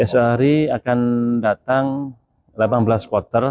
esok hari akan datang delapan belas kloter